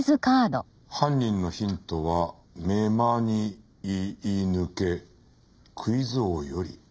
「犯人のヒントは“めまにいいぬけ”」「クイズ王より」